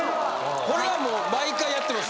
これはもう毎回やってます